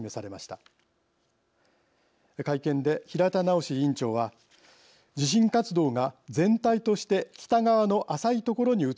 会見で平田直委員長は地震活動が全体として北側の浅い所に移ってきている。